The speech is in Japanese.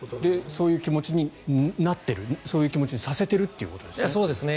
そういう気持ちになってるそういう気持ちにさせてるということですよね。